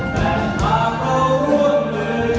แฟนมาเข้าหัวมือ